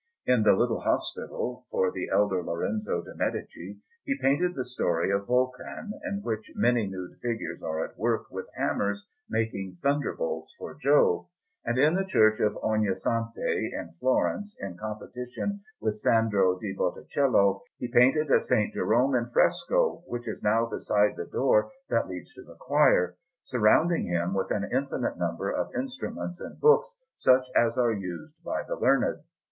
In the Little Hospital, for the elder Lorenzo de' Medici, he painted the story of Vulcan, in which many nude figures are at work with hammers making thunderbolts for Jove. And in the Church of Ognissanti in Florence, in competition with Sandro di Botticello, he painted a S. Jerome in fresco (which is now beside the door that leads to the choir), surrounding him with an infinite number of instruments and books, such as are used by the learned.